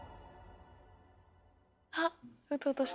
あっうとうとしてる。